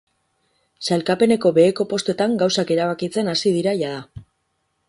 Sailkapeneko beheko postuetan gauzak erabakitzen hasi dira, jada.